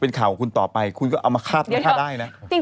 เป็นข่าวของคุณต่อไปคุณก็เอามาคาดหน้าได้นะ